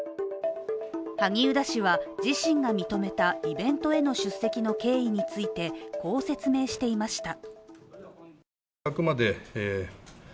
萩生田氏は自身が認めたイベントへの出席の経緯についてこう説明していました。